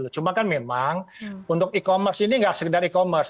cuma kan memang untuk e commerce ini tidak sekedar e commerce